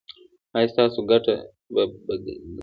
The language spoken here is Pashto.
ایا ستاسو ګټه به ګډه وي؟